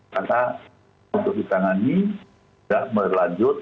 karena untuk ditangani tidak melanjut